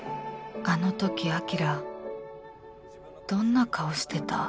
あのとき晶どんな顔してた？